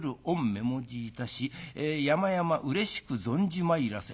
目もじいたしやまやまうれしく存じ参らせ』。